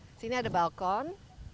di sini ada balkon